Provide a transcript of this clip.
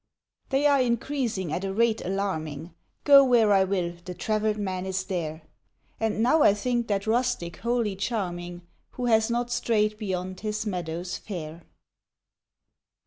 They are increasing at a rate alarming, Go where I will, the traveled man is there. And now I think that rustic wholly charming Who has not strayed beyond his meadows fair.